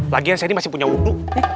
lagian saya ini masih punya wudhu